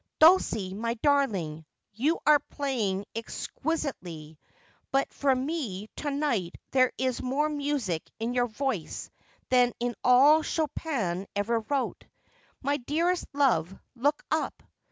' Dulcie, my darling, you are playing exquisitely ; but for me to night there is more music in your voice than in all Chopin ever wrote. My dearest love, look up.